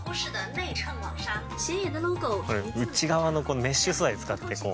内側のこのメッシュ素材使ってこう。